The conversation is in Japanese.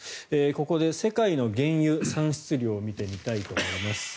ここで世界の原油産出量を見てみたいと思います。